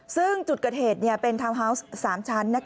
ซึ่งจุดเกิดเหตุเป็นทาวน์ฮาวส์๓ชั้น